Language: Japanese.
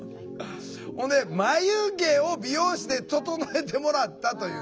ほんで「眉毛を美容室で整えてもらった」というね。